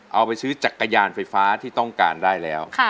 เอาไปซื้อจักรยานไฟฟ้าที่ต้องการได้แล้ว